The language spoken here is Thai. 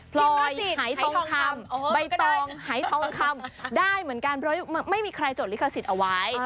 ลอยหายทองคำใบตองหายทองคำได้เหมือนกันเพราะไม่มีใครจดลิขสิทธิ์เอาไว้